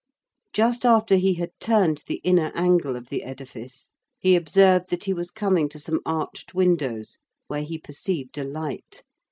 Just after he had turned the inner angle of the edifice, he observed that he was coming to some arched windows, where he perceived a light.